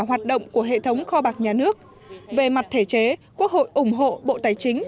hoạt động của hệ thống kho bạc nhà nước về mặt thể chế quốc hội ủng hộ bộ tài chính